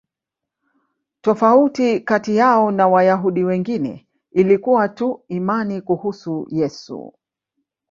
Tofauti kati yao na Wayahudi wengine ilikuwa tu imani kuhusu Yesu.